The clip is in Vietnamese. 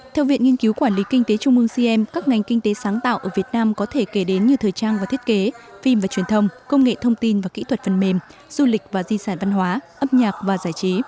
theo viện nghiên cứu quản lý kinh tế trung ương cm các ngành kinh tế sáng tạo ở việt nam có thể kể đến như thời trang và thiết kế phim và truyền thông công nghệ thông tin và kỹ thuật phần mềm du lịch và di sản văn hóa âm nhạc và giải trí